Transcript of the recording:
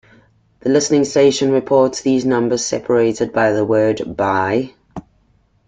The listening station reports these numbers separated with the word "by".